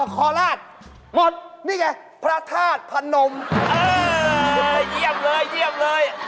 เออเยี่ยมเลยเยี่ยมเลย